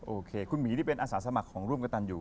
โอเคคุณหมีนี่เป็นอาสาสมัครของร่วมกับตันอยู่